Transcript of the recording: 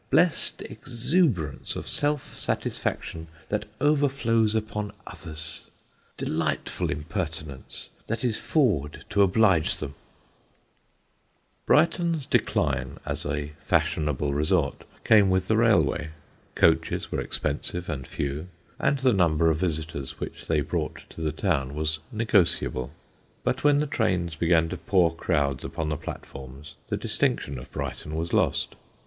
Blest exuberance of self satisfaction, that overflows upon others! Delightful impertinence, that is forward to oblige them!" [Sidenote: THE LORD OF THE TIDES] Brighton's decline as a fashionable resort came with the railway. Coaches were expensive and few, and the number of visitors which they brought to the town was negotiable; but when trains began to pour crowds upon the platforms the distinction of Brighton was lost.